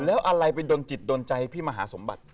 แล้วอะไรไปโดนจิตโดนใจพี่มหาสมบัติ